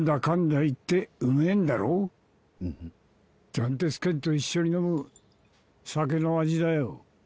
斬鉄剣と一緒に飲む酒の味だよ。